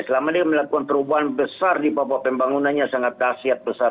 selama dia melakukan perubahan besar di bawah pembangunannya sangat dahsyat besar